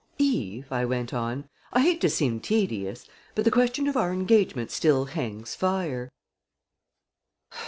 "Eve," I went on, "I hate to seem tedious but the question of our engagement still hangs fire."